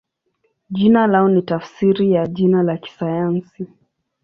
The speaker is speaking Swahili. Jina lao ni tafsiri ya jina la kisayansi.